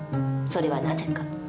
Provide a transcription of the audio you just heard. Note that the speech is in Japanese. それはなぜか。